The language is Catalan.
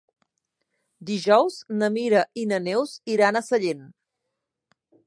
Dijous na Mira i na Neus iran a Sellent.